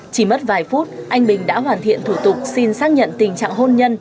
chỉ mất vài phút anh bình đã hoàn thiện thủ tục xin xác nhận tình trạng hôn nhân